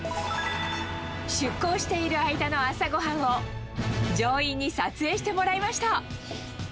出航している間の朝ごはんを、乗員に撮影してもらいました。